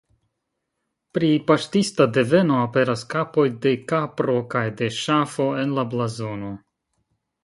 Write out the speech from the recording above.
Pri paŝtista deveno aperas kapoj de kapro kaj de ŝafo en la blazono.